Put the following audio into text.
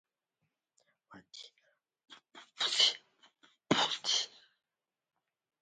The most common secondary structures are alpha helices and beta sheets.